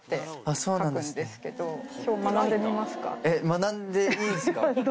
学んでいいんすか。